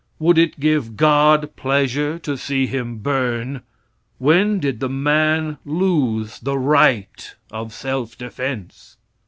Would it give "God" pleasure to see him burn? When did the man lose the right of self defense?